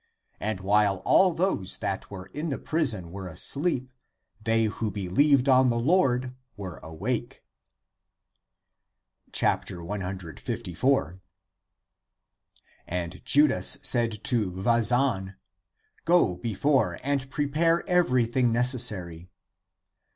And while all those that were in the prison were asleep, they who believed on the Lord were awake. 154. And Judas said to Vazan, " Go before and prepare everything necessary."